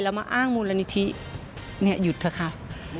แล้วมาอ้างมูลนิธิหยุดเถอะครับ